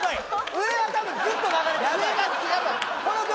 上は多分ずっと流れてるこの曲